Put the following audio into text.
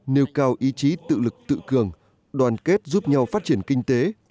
nêu cao ý chí tự lực tự cường đoàn kết giúp nhau phát triển kinh tế